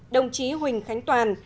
đồng chí huỳnh khánh toàn